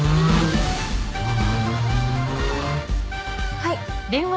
はい。